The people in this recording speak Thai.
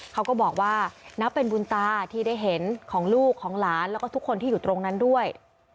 เขาก็บอกว่านับเป็นบุญตาที่ได้เห็นของลูกของหลานแล้วก็ทุกคนที่อยู่ตรงนั้นด้วย